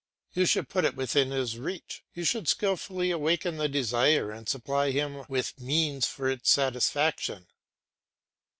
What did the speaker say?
You should put it within his reach, you should skilfully awaken the desire and supply him with means for its satisfaction.